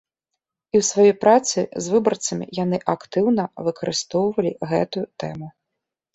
І ў сваёй працы з выбарцамі яны актыўна выкарыстоўвалі гэтую тэму.